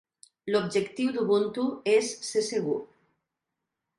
L'objectiu d'Ubuntu és ser segur